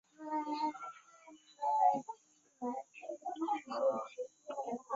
Ndeen nke ne faʼa ngie ɔ̀ gyo nzẅìŋ mbòŋo ne yé.